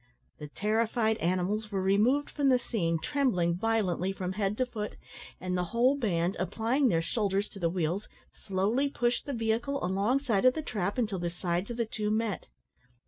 The terrified animals were removed from the scene, trembling violently from head to foot, and the whole band, applying their shoulders to the wheels, slowly pushed the vehicle alongside of the trap until the sides of the two met.